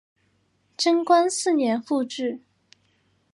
贞观四年复置。